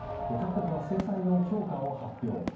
各国は制裁の強化を発表。